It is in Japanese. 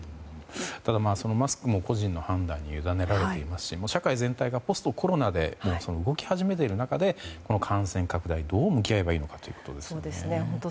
ただ、マスクも個人の判断に委ねられていますし社会全体がポストコロナで動き始めている中で感染拡大どう向き合えばいいのかということですよね。